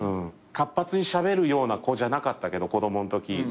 活発にしゃべるような子じゃなかったけど子供んとき。